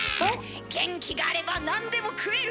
元気があれば何でも食える！